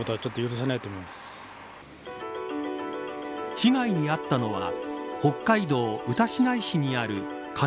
被害に遭ったのは北海道、歌志内市にある悲